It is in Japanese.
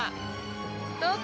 どうかな？